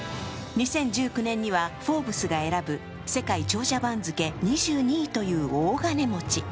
２０１９年には「フォーブス」が選ぶ世界長者番付２２位という大金持ち。